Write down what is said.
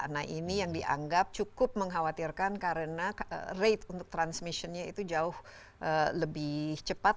nah ini yang dianggap cukup mengkhawatirkan karena rate untuk transmissionnya itu jauh lebih cepat